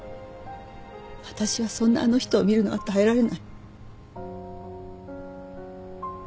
私はそんなあの人を見るのは耐えられない。